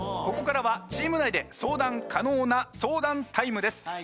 ここからはチーム内で相談可能な相談タイムです。